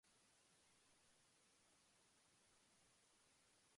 Now that the work is complete, James feels a strong sense of pride.